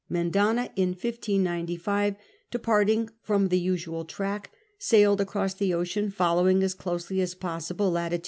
Mendana, in 1595, departing from the usual track, sailed across the ocean, following as closely as possible lat.